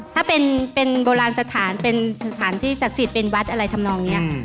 ถ้าเป็นโบราณสถานเป็นสถานที่ศักดิ์สิทธิ์เป็นวัดอะไรทำนองนี้